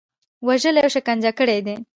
وژلي او شکنجه کړي دي.